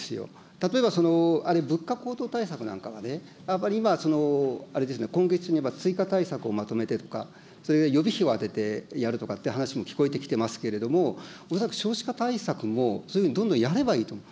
例えば、荒れ、物価高騰対策なんかはね、やっぱり今、あれですね、今月にやっぱり追加対策をまとめてとか、予備費を充ててやるとかって話も聞こえてきてますけれども、恐らく少子化対策もそういうふうにどんどんやればいいと思う。